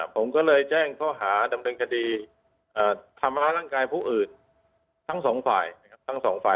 ผมก็เลยแจ้งข้อหาดำเนินคดีธรรมร่างกายผู้อื่นทั้งสองฝ่ายนะครับ